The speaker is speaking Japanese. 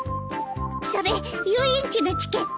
それ遊園地のチケット？